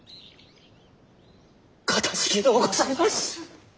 かたじけのうございます！